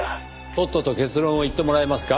とっとと結論を言ってもらえますか？